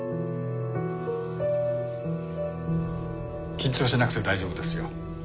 緊張しなくて大丈夫ですよ。